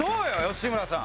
吉村さん。